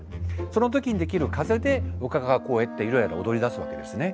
その時にできる風でおかかがこうやってゆらゆら踊りだすわけですね。